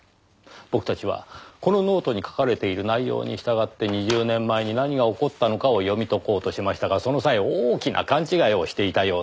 僕たちはこのノートに書かれている内容に従って２０年前に何が起こったのかを読み解こうとしましたがその際大きな勘違いをしていたようです。